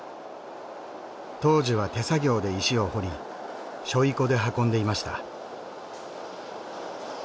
当時は手作業で石を掘り背負子で運んでいました。